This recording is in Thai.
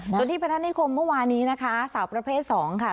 ส่วนที่พนักนิคมเมื่อวานนี้นะคะสาวประเภท๒ค่ะ